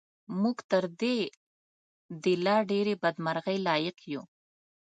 موږ تر دې د لا ډېرې بدمرغۍ لایق یو.